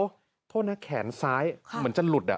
โทษนะแขนซ้ายเหมือนจะหลุดอ่ะ